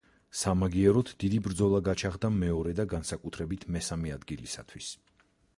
სამაგიეროდ დიდი ბრძოლა გაჩაღდა მეორე და განსაკუთრებით მესამე ადგილისათვის.